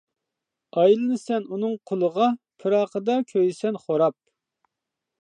ئايلىنىسەن ئۇنىڭ قۇلىغا، پىراقىدا كۆيىسەن خوراپ.